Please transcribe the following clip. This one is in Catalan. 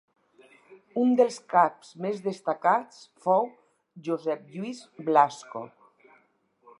Un dels caps més destacats fou Josep Lluís Blasco.